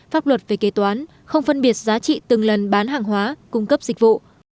pháp luật về kế toán không phân biệt giá trị từng lần bán hàng hóa cung cấp dịch vụ